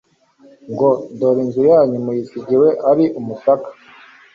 ngo : "Dore inzu yanyu muyisigiwe ari umusaka.